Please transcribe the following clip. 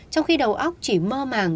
trong khi đầu óc chỉ mơ màng